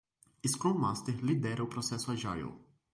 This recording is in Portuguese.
Scrum Master lidera o processo Agile.